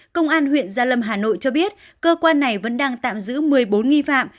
công an huyện gia lâm hà nội cho biết cơ quan này vẫn đang tạm giữ một mươi bốn nghi phạm